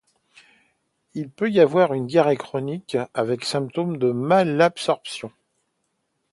Il peut y avoir une diarrhée chronique avec syndrome de malabsorption.